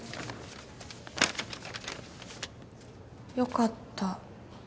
「よかった」